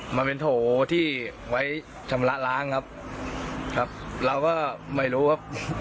มันเป็นโถที่ไว้ชำระล้างครับครับเราก็ไม่รู้ครับ